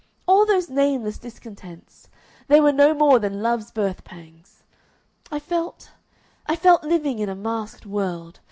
All those nameless discontents they were no more than love's birth pangs. I felt I felt living in a masked world.